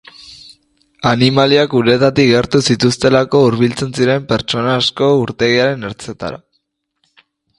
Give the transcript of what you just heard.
Animaliak uretatik gertu zituztelako hurbiltzen ziren pertsona asko urtegiaren ertzetara.